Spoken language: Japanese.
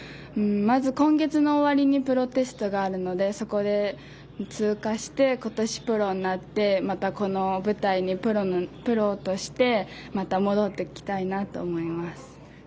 今月の終わりにプロテストがあるので今年プロになってこの舞台にプロとしてまた戻ってきたいなと思います。